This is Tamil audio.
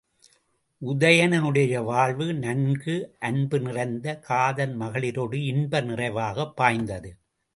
உதயணனுடைய வாழ்வு, நான்கு அன்பு நிறைந்த காதல் மகளிரொடு இன்ப நிறைவாக வாய்த்தது.